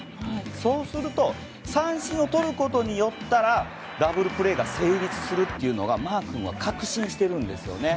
そうすると三振をとることによったらダブルプレーが成立するとマー君は確信してるんですよね。